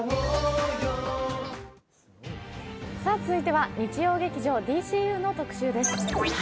続いては、日曜劇場「ＤＣＵ」の特集です。